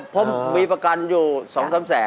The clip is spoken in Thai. ผมมีประกันอยู่๒๓แสน